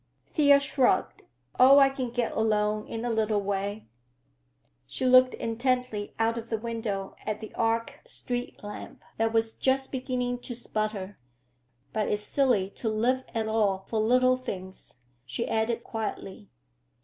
Thea shrugged. "Oh, I can get along, in a little way." She looked intently out of the window at the arc streetlamp that was just beginning to sputter. "But it's silly to live at all for little things," she added quietly.